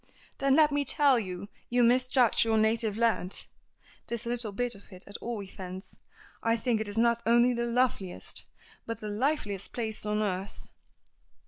"Then let me tell you you misjudge your native land; this little bit of it, at all events. I think it not only the loveliest, but the liveliest place on earth."